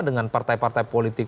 dengan partai partai politik